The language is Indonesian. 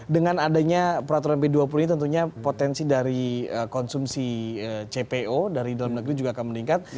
dengan adanya peraturan b dua puluh ini tentunya potensi dari konsumsi cpo dari dalam negeri juga akan meningkat